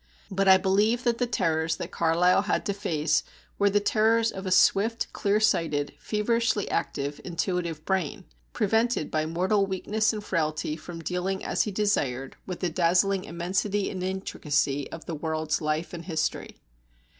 But I believe that the terrors that Carlyle had to face were the terrors of a swift, clear sighted, feverishly active, intuitive brain, prevented by mortal weakness and frailty from dealing as he desired with the dazzling immensity and intricacy of the world's life and history.